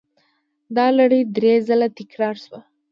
دا لړۍ درې ځله تکرار شوه.